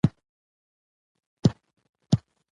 نو ورته یې وویل: ته خو به پخوا جمعې ته تللې.